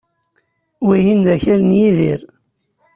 Wihin d akal n Yidir.